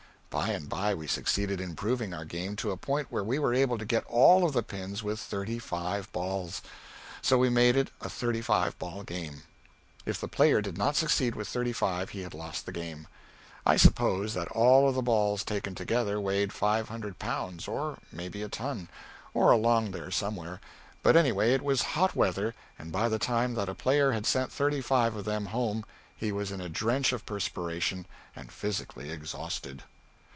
By and by we succeeded in improving our game to a point where we were able to get all of the pins with thirty five balls so we made it a thirty five ball game. If the player did not succeed with thirty five, he had lost the game. I suppose that all the balls, taken together, weighed five hundred pounds, or maybe a ton or along there somewhere but anyway it was hot weather, and by the time that a player had sent thirty five of them home he was in a drench of perspiration, and physically exhausted.